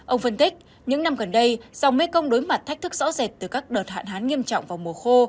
ông phân tích những năm gần đây dòng mekong đối mặt thách thức rõ rệt từ các đợt hạn hán nghiêm trọng vào mùa khô